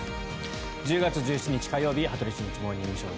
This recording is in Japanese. １０月１７日、火曜日「羽鳥慎一モーニングショー」。